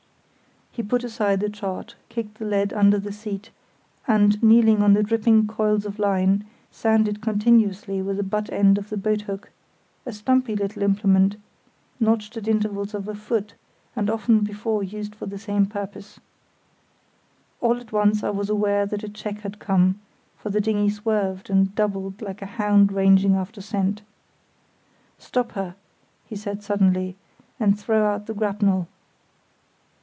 He put aside the chart, kicked the lead under the seat, and, kneeling on the dripping coils of line, sounded continuously with the butt end of the boathook, a stumpy little implement, notched at intervals of a foot, and often before used for the same purpose. All at once I was aware that a check had come, for the dinghy swerved and doubled like a hound ranging after scent. "Stop her," he said, suddenly, "and throw out the grapnel."